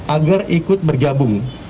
agar ikut bergabung